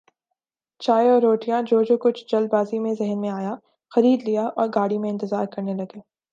چائے اور روٹیاں جو جو کچھ جلد بازی میں ذہن میں آیا خرید لیااور گاڑی کا انتظار کرنے لگے ۔